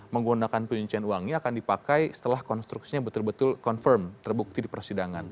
menggunakan penyuncian uangnya akan dipakai setelah konstruksinya betul betul confirm terbukti di persidangan